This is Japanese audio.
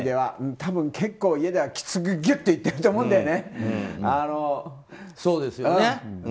多分、結構、家ではきつくギュッと言ってると思うんだよね。